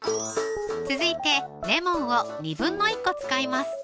続いてレモンを１／２個使います